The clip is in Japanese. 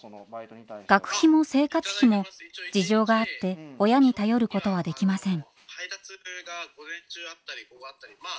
学費も生活費も事情があって親に頼ることはできません。